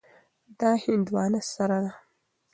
دا هندوانه سره ده.